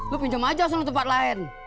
gue pinjam aja sama tempat lain